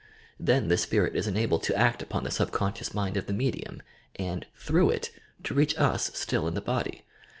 Then the spirit is enabled to aet upon the subconscious mind of the medium and, through it, to reach us still in the body.